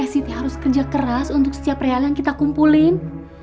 siti harus kerja keras untuk setiap real yang kita kumpulin